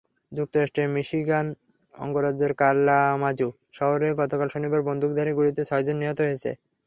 যুক্তরাষ্ট্রের মিশিগান অঙ্গরাজ্যের কালামাজু শহরে গতকাল শনিবার বন্দুকধারীর গুলিতে ছয়জন নিহত হয়েছে।